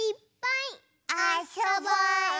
あそぼうね！